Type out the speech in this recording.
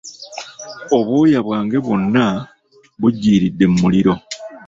Obwoya bwange bwonna bujjiridde mu muliro.